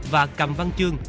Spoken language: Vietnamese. và cầm văn chương